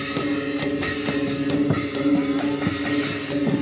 สวัสดีสวัสดี